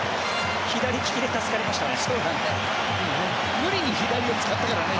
左利きで助かりましたね。